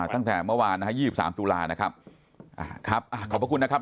ตั้งแต่เมื่อวานนะครับ